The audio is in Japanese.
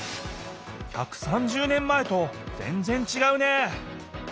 １３０年前とぜんぜんちがうね